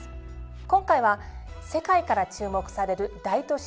今回は世界から注目される大都市